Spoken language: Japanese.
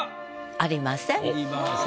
要りません。